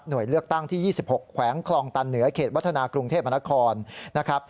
โดยเลือกตั้งที่๒๖แขวงคลองตันเหนือเขตวัฒนากรุงเทพมนครนะครับ